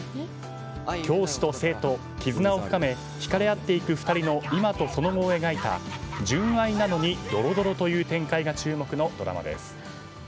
教師と生徒、絆を深め引かれあっていく２人の今とその後を描いた、純愛なのにドロドロという展開が注目のドラマです。